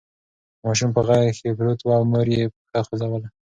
ماشوم په غېږ کې پروت و او مور یې پښه خوځوله.